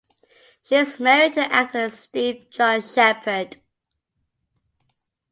She is married to actor Steve John Shepherd.